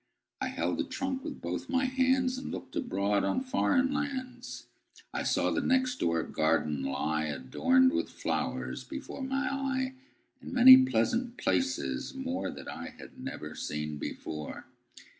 I held the trunk with both my handsAnd looked abroad on foreign lands.I saw the next door garden lie, Adorned with flowers, before my eye, And many pleasant places moreThat I had never seen before.